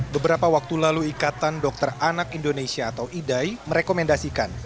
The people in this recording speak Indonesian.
beberapa waktu lalu ikatan dokter anak indonesia atau idai merekomendasikan